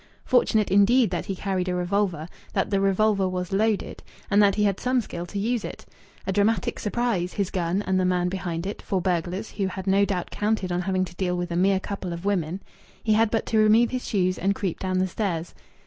Fortunate indeed that he carried a revolver, that the revolver was loaded, and that he had some skill to use it! A dramatic surprise his gun and the man behind it for burglars who had no doubt counted on having to deal with a mere couple of women! He had but to remove his shoes and creep down the stairs.